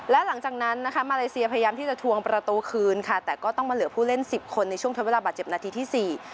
และหลังจากนั้นนะคะมาเลเซียพยายามที่จะทวงประตูคืนค่ะแต่ก็ต้องมาเหลือผู้เล่นสิบคนในช่วงทดเวลาบาดเจ็บนาทีที่สี่